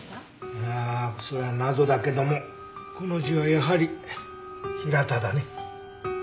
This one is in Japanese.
いやそれは謎だけどもこの字はやはり「ヒラタ」だね。